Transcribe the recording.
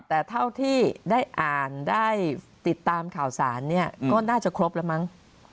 แต่เท่าที่ได้อ่านได้ติดตามข่าวสารเนี่ยก็น่าจะครบแล้วมั้ง